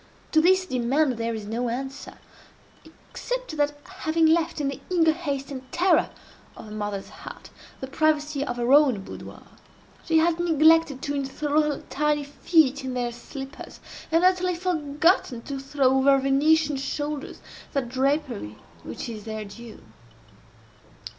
To this demand there is no answer—except that, having left, in the eager haste and terror of a mother's heart, the privacy of her own boudoir, she has neglected to enthral her tiny feet in their slippers, and utterly forgotten to throw over her Venetian shoulders that drapery which is their due.